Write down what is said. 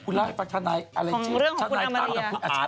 คุณรักษาท่านายอะไรชื่อท่านายต้องกับคุณอาจารย์